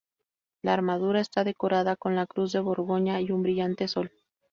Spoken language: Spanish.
La armadura está decorada con la cruz de Borgoña y un brillante sol.